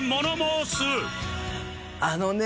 あのね